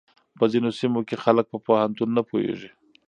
په ځينو سيمو کې خلک په پوهنتون نه پوهېږي.